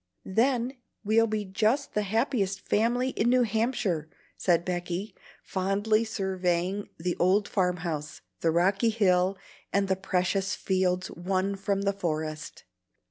Then we'll be just the happiest family in New Hampshire," said Becky, fondly surveying the old farm house, the rocky hill, and the precious fields won from the forest.